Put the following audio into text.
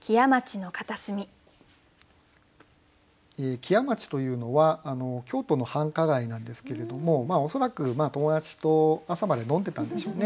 木屋町というのは京都の繁華街なんですけれども恐らく友達と朝まで飲んでたんでしょうね。